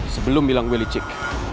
sebelum bilang gue licik